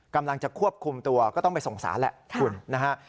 กำลังจะควบคุมตัวก็ต้องไปส่งสารแหละคุณนะฮะ